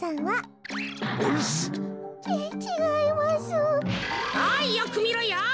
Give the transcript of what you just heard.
おいよくみろよ。